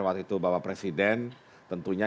waktu itu bapak presiden tentunya